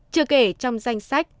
chưa kể trong danh sách